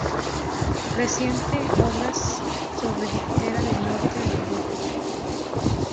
Recientes obras sobre Diptera del Norte de Europa.